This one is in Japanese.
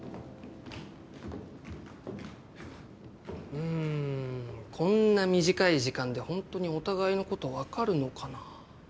うんこんな短い時間でホントにお互いのこと分かるのかなぁ。